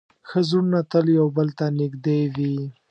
ښه زړونه تل یو بل ته نږدې وي.